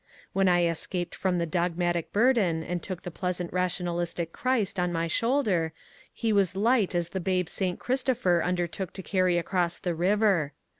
When I escaped from the dog matic burden, and took the pleasant rationalistic Christ on my shoulder, he was light as the babe St. Christopher under took to carry across the river.